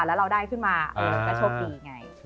แล้วเราได้ขึ้นมาก็โชคดีไง